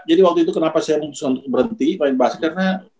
jadi waktu itu kenapa saya berhenti main basket karena